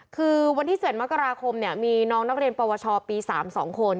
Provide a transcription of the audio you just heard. คือวันที่๗มกราคมมีน้องนักเรียนปวชปี๓๒คน